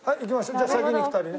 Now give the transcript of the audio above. じゃあ先に２人ね。